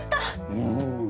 うん。